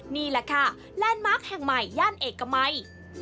นี่แหละค่ะแลนด์มาร์คแห่งใหม่ย่านเอกมัย